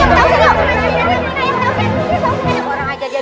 berang perangaitu dan unable get out